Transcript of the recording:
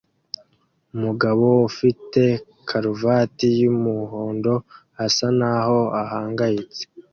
Umugabo ufite karuvati y'umuhondo asa naho ahangayitse